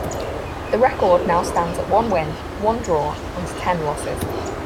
The record now stands at one win, one draw and ten losses.